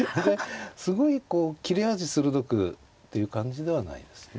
すごい切れ味鋭くっていう感じではないですね。